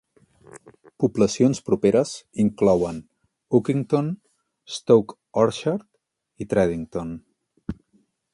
Poblacions properes inclouen Uckington, Stoke Orchard i Tredington.